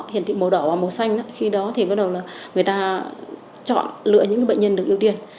hiển thị màu đỏ và màu xanh khi đó thì bắt đầu là người ta chọn lựa những bệnh nhân được ưu tiên